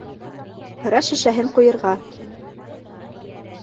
Һыра шешәһен ҡуйырға.